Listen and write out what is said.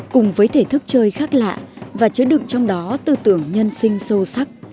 cùng với thể thức chơi khác lạ và chứa đựng trong đó tư tưởng nhân sinh sâu sắc